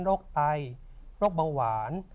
โรคไตโรคเบาหวาน